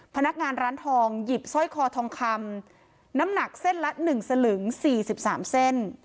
พนักงานร้านทองหยิบซ่อยคอทองคำน้ำหนักเส้นละหนึ่งสลึงสี่สิบสามเส้น